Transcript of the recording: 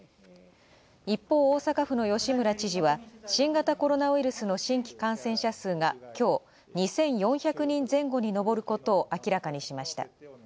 一方、大阪府の吉村知事は新型コロナウイルスの新規感染者数がきょう２４００人前後に上ることを明らかにしました。